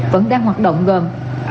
vẫn đang hoạt động gần